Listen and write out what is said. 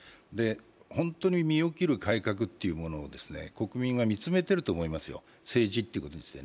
本当に身を切る改革というものを国民が見つめていると思いますよ、政治について。